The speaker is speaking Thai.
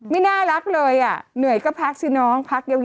ไม่น่ารักเลยอ่ะหน่วยก็พักซื้อน้องพักยาว